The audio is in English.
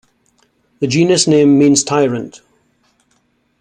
The genus name means "tyrant".